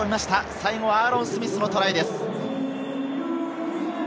最後はアーロン・スミスのトライです。